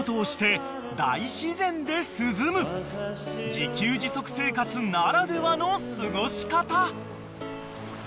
［自給自足生活ならではの過ごし方］